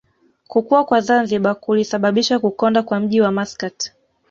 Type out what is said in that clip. Kukua kwa Zanzibar kulisababisha kukonda kwa mji wa Maskat